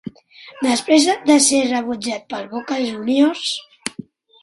Després de ser rebutjat pel Boca Juniors.